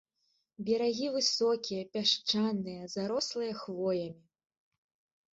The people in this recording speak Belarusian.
Берагі высокія, пясчаныя, зарослыя хвоямі.